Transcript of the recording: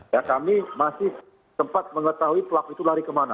ya kami masih sempat mengetahui pelaku itu lari kemana